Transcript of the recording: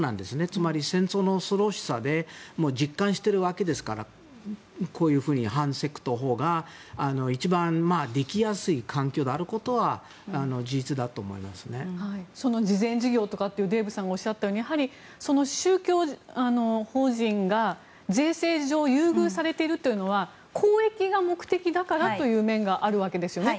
つまり戦争の恐ろしさで実感してるわけですからこういうふうに反セクト法が一番できやすい環境であることは慈善事業とかというデーブさんがおっしゃったように宗教法人が税制上優遇されているというのは公益が目的だからという面があるんですよね。